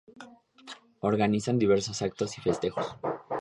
Organizan diversos actos y festejos.